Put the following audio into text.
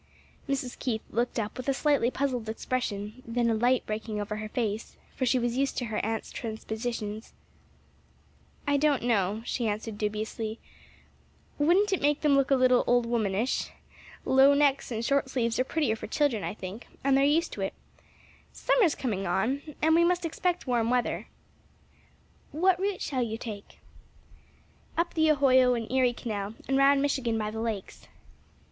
Mrs. Keith looked up with a slightly puzzled expression; then a light breaking over her face, for she was used to her aunt's transpositions "I don't know," she answered dubiously, "wouldn't it make them look a little old womanish? Low necks and short sleeves are prettier for children, I think; and they're used to it. Summer's coming on, too, and we must expect warm weather." "What route shall you take?" "Up the Ohio and Erie Canal and round Michigan by the lakes."